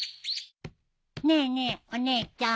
ねえねえお姉ちゃん。